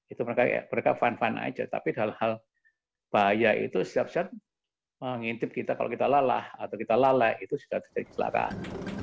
itu mereka fun fun aja tapi hal hal bahaya itu setiap saat mengintip kita kalau kita lelah atau kita lalai itu sudah terjadi kecelakaan